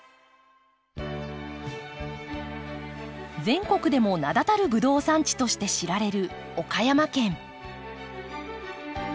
全国でも名だたるブドウ産地として知られる岡山県。